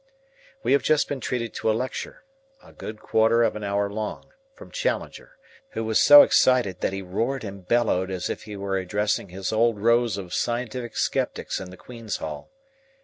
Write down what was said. We have just been treated to a lecture, a good quarter of an hour long, from Challenger, who was so excited that he roared and bellowed as if he were addressing his old rows of scientific sceptics in the Queen's Hall.